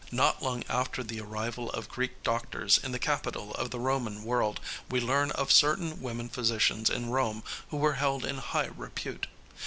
Not long after the arrival of Greek doctors in the capital of the Roman world we learn of certain women physicians in Rome who were held in high repute.